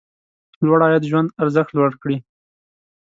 لوړ عاید ژوند ارزښت لوړ کړي.